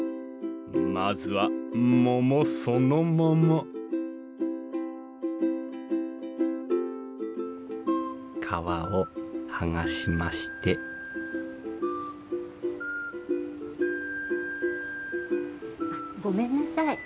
まずは桃そのもの皮を剥がしましてあっごめんなさい。